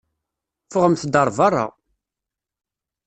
Ffɣemt-d ar beṛṛa!